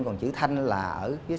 còn chữ thanh là ở phía sau